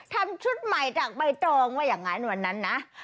ทำชุดใหม่จากใบตองว่าอย่างนั้นวันนั้นนะ